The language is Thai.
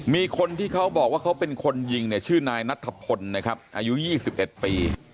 มีคนที่เขาบอกว่าเขาเป็นคนยิงเนี่ยชื่อนายนัทพลนะครับอายุ๒๑ปี